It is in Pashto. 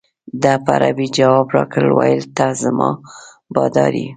ده په عربي جواب راکړ ویل ته زما بادار یې.